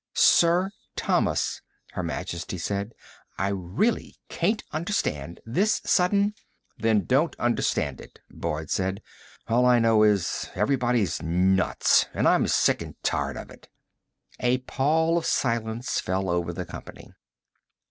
"Sir Thomas," Her Majesty said, "I really can't understand this sudden " "Then don't understand it," Boyd said. "All I know is everybody's nuts, and I'm sick and tired of it." A pall of silence fell over the company.